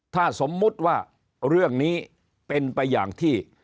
ถ้าสมมุติว่าเรื่องนี้เป็นไปอย่างที่